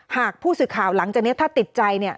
หากผู้สื่อข่าวหลังจากนี้ถ้าติดใจเนี่ย